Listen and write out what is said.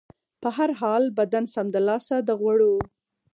په هر حال، بدن سمدلاسه د غوړو